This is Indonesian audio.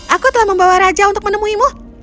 aku telah membawa raja untuk menemuimu